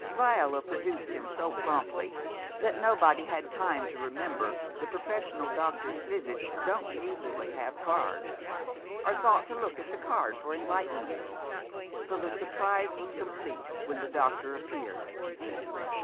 Viola produced him so promptly that nobody had time to remember the professional doctor's visits don't usually have cards, or thought to look at the card for enlightenment. So the surprise was complete when the doctor appeared.